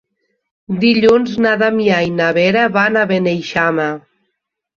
Dilluns na Damià i na Vera van a Beneixama.